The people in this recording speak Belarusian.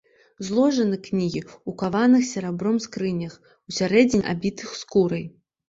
Зложаны кнігі ў каваных серабром скрынях, усярэдзіне абітых скурай.